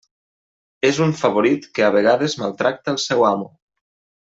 És un favorit que a vegades maltracta el seu amo.